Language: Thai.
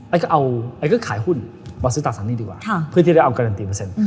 เอาไปก็ขายหุ้นมาซื้อตราสารหนี้ดีกว่าเพื่อที่จะได้เอาการันตีเปอร์เซ็นต